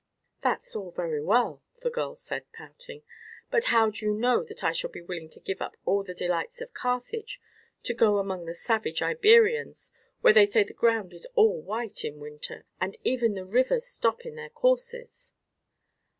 "That's all very well," the girl said, pouting; "but how do you know that I shall be willing to give up all the delights of Carthage to go among the savage Iberians, where they say the ground is all white in winter and even the rivers stop in their courses?"